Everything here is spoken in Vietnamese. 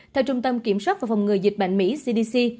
theo trung tâm kiểm soát và phòng ngừa dịch bệnh mỹ cdc